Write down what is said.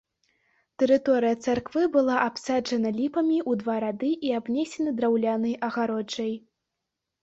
Тэрыторыя царквы была абсаджана ліпамі ў два рады і абнесена драўлянай агароджай.